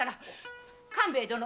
官兵衛殿！